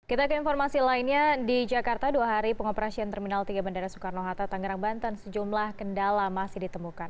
kita ke informasi lainnya di jakarta dua hari pengoperasian terminal tiga bandara soekarno hatta tangerang banten sejumlah kendala masih ditemukan